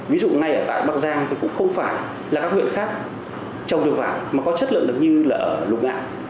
ví dụ ngay tại bắc giang thì cũng không phải là các huyện khác trồng được vải mà có chất lượng được như ở lục ngạn